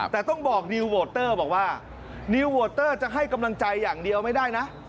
แต่ต้องบอกนิวโวเตอร์บอกว่านิวโวเตอร์จะให้กำลังใจอย่างเดียวไม่ได้นะ